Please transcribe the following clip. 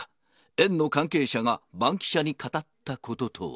園の関係者がバンキシャに語ったこととは。